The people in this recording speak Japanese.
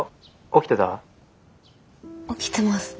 起きてます。